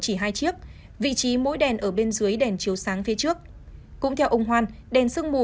chỉ hai chiếc vị trí mũi đèn ở bên dưới đèn chiếu sáng phía trước cũng theo ông hoan đèn sương mù